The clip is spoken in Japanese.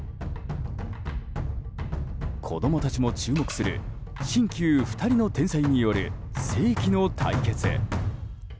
子供たちも注目する新旧２人の天才による世紀の対決。